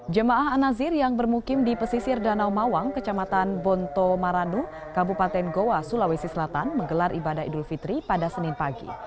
jemaah an nazir yang bermukim di pesisir danau mawang kecamatan bonto maranu kabupaten goa sulawesi selatan menggelar ibadah idul fitri pada senin pagi